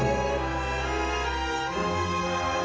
โตพูดสัยเธอ